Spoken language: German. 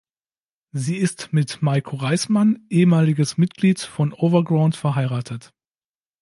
Sie ist mit Meiko Reißmann, ehemaliges Mitglied von Overground verheiratet.